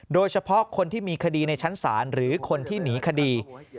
โดยเฉพาะคนที่มีคดีในชั้นศาลหรือคนที่หนีคดี